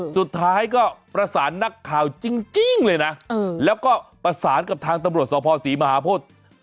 สุดท้ายก็ประสานนักข่าวจริงเลยนะแล้วก็ประสานกับทางตำรวจสภศรีมหาโพธิ